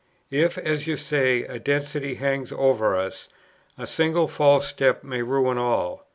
If, as you say, a destiny hangs over us, a single false step may ruin all.